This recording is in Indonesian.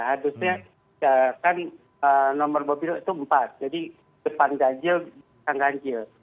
harusnya kan nomor mobil itu empat jadi depan ganjil bukan ganjil